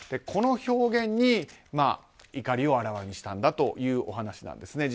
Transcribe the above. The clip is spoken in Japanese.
この表現に怒りをあらわにしたというお話です。